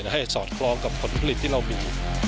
ให้สอดคล้องกับผลผลิตที่เรามี